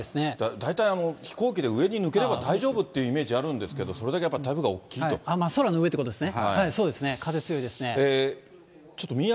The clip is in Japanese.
大体、飛行機で上に抜ければ大丈夫っていうイメージあるんですけれども、空の上ということですね。